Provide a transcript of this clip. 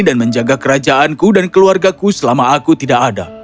dan menjaga kerajaanku dan keluargaku selama aku tidak ada